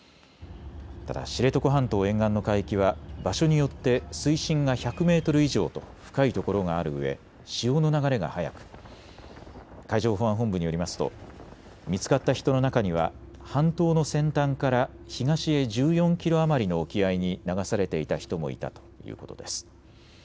ただ知床半島沿岸の海域は場所によって水深が１００メートル以上と深いところがあるうえ潮の流れが速く海上保安本部によりますと見つかった人の中には半島の先端から東へ１４キロ余りの沖合に流されていた人もいたということです。